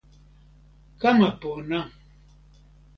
kama pona!